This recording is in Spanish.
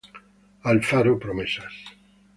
Alfaro Promesas.